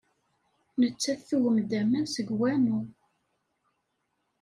Nettat tugem-d aman seg wanu.